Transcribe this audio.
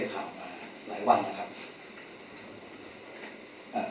ตามที่เว็บข่าวมาหลายวันนะครับ